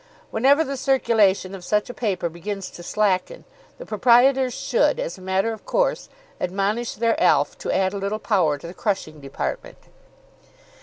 Whenever the circulation of such a paper begins to slacken, the proprietors should, as a matter of course, admonish their Alf to add a little power to the crushing department.